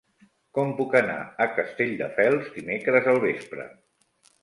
Com puc anar a Castelldefels dimecres al vespre?